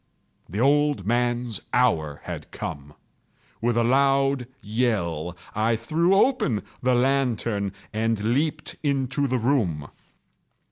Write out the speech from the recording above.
The old man's hour had come! With a loud yell, I threw open the lantern and leaped into the room.